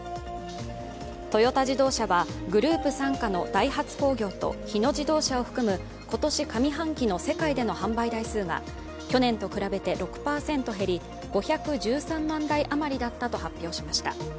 トヨタ自動車はグループ傘下のダイハツ工業と日野自動車を含む今年上半期の世界での販売台数が去年と比べて６％減り、５１３万台あまりだったと発表しました。